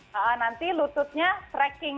cowok cowok yang jarang squat